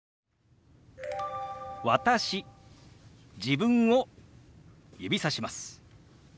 自分を指さします。